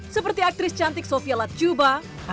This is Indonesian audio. seperti aktris cantik sofia latjuba